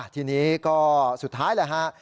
ทีนี้ก็สุดท้ายแหละฮะ